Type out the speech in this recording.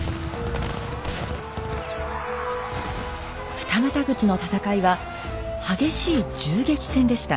二股口の戦いは激しい銃撃戦でした。